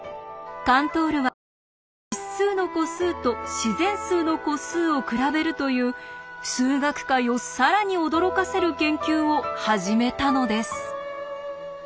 カントールはこの実数の個数と自然数の個数を比べるという数学界を更に驚かせる研究を始めたのです。